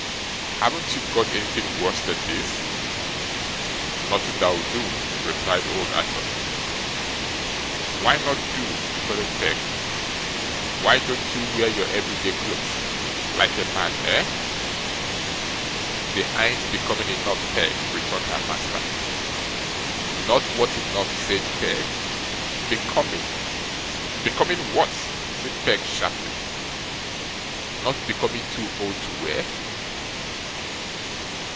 'Haven't you got anything worse than this?' 'Nothing that'll do,' replied old Arthur. 'Why not do?' retorted Peg. 'Why don't you wear your every day clothes, like a man eh?' 'They an't becoming enough, Peg,' returned her master. 'Not what enough?' said Peg. 'Becoming.' 'Becoming what?' said Peg, sharply. 'Not becoming too old to wear?